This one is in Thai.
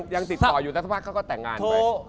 ยังติดต่ออยู่แต่สักพักเขาก็แต่งงานไป